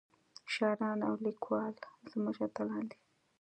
شاعران او ليکوال زمونږ اتلان دي